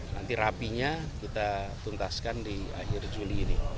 nanti rapinya kita tuntaskan di akhir juli ini